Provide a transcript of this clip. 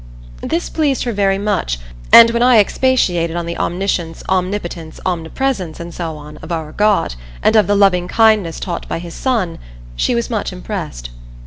This pleased her very much, and when I expatiated on the Omniscience, Omnipotence, Omnipresence, and so on, of our God, and of the loving kindness taught by his Son, she was much impressed.